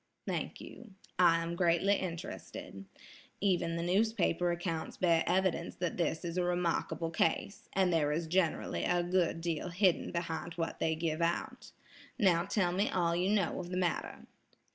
"Thank you; I am greatly interested. Even the newspaper accounts bear evidence that this is a remarkable case, and there is generally a good deal hidden behind what they give out. Now tell me all you know of the matter."